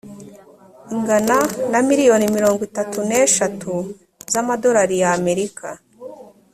ingana na miliyoni mirongo itatu neshatu za amadorari y’amerika.